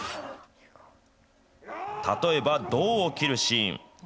例えば、胴を切るシーン。